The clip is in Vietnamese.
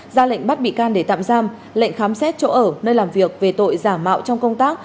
ra lệnh bắt bị can để tạm giam lệnh khám xét chỗ ở nơi làm việc về tội giả mạo trong công tác